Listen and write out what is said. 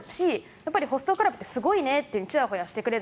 やっぱりホストクラブってすごいねってちやほやしてくれる。